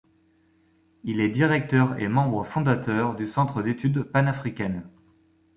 Il est Directeur et membre fondateur du Centre d'études panafricaines.